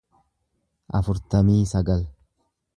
afurtamii sagal